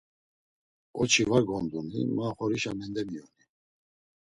Oçi var gonduni ma oxorişa mendemiyoni!